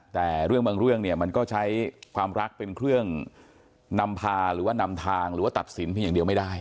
แต่เรื่องบางเรื่องเนี่ยมันก็ใช้ความรักเป็นเครื่องนำพาหรือว่านำทางหรือว่าตัดสินเพียงอย่างเดียวไม่ได้